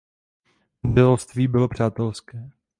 Manželství bylo přátelské.